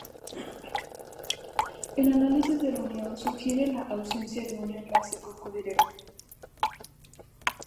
El análisis de la unión sugiere la ausencia de un enlace Co-Co directo.